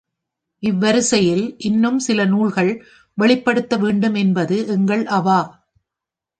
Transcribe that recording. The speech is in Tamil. இவ்வரிசையில் இன்னும் சில நூல்கள் வெளிப்படுத்த வேண்டும் என்பது எங்கள் அவா.